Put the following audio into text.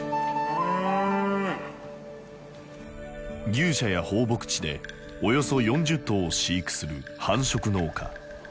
牛舎や放牧地でおよそ４０頭を飼育する繁殖農家。